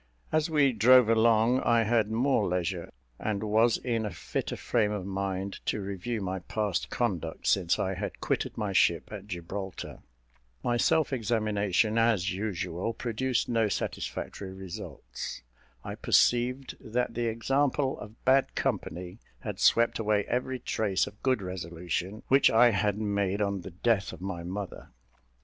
As we drove along, I had more leisure, and was in a fitter frame of mind to review my past conduct since I had quitted my ship at Gibraltar. My self examination, as usual, produced no satisfactory results. I perceived that the example of bad company had swept away every trace of good resolution which I had made on the death of my mother.